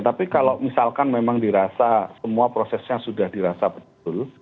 tapi kalau misalkan memang dirasa semua prosesnya sudah dirasa betul